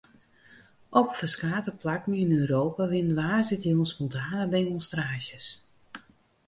Op ferskate plakken yn Europa wiene woansdeitejûn spontane demonstraasjes.